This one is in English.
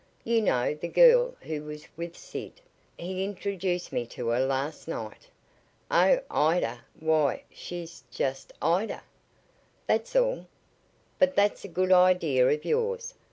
You know the girl who was with Sid? He introduced me to her last night." "Oh, Ida why she's just Ida. That's all. But that's a good idea of yours.